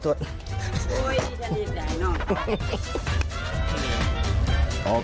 โอ๊ยดีจะดีจะให้นอน